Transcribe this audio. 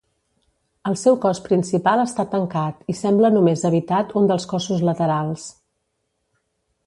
El seu cos principal està tancat i sembla només habitat un dels cossos laterals.